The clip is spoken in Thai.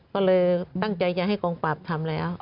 ก็เลยตั้งใจจะให้กองปราบทำแล้ว